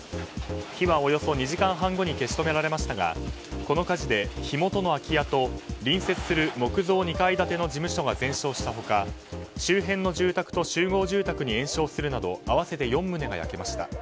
火はおよそ２時間半後に消し止められましたがこの火事で、火元の空き家と隣接する木造２階建ての事務所が全焼した他周辺の住宅と集合住宅に延焼するなど合わせて４棟が焼けました。